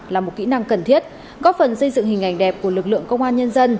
là một kỹ năng cần thiết góp phần xây dựng hình ảnh đẹp của lực lượng công an nhân dân